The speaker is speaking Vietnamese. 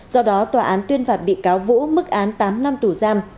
do đó tòa án tuyên phạt bị cáo vũ mức án tám năm tù giam